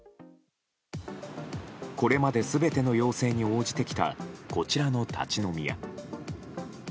これまで全ての要請に応じてきたこちらの立ち飲み屋。